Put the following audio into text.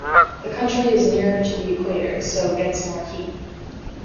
The country is nearer to the equator so gets more heat.